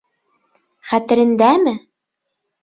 Хәтерендәме?